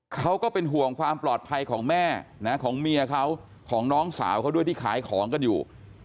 ก็เป็นห่วงความปลอดภัยของแม่นะของเมียเขาของน้องสาวเขาด้วยที่ขายของกันอยู่